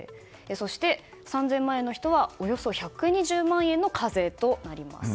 そして３０００万円の人はおよそ１２０万円の課税となります。